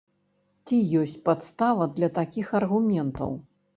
Ці ёсць падстава для такіх аргументаў?